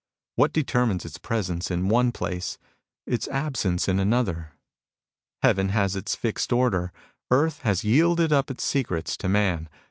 What determines its presence in one place, its absence in another ? Heaven has its fixed order. Earth has yielded up its secrets to man.